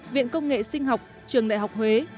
viện công nghệ sinh học trường đại học huế